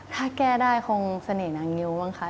ถ้าแก้ได้คงเสน่หนางงิ้วบ้างคะ